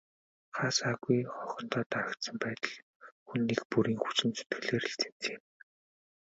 Хаа сайгүй хогондоо дарагдсан байдал хүн нэг бүрийн хүчин зүтгэлээр л цэмцийнэ.